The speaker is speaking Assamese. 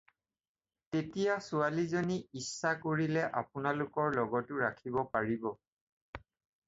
তেতিয়া ছোৱালীজনী ইচ্ছা কৰিলে আপোনালোকৰ লগতো ৰাখিব পাৰিব।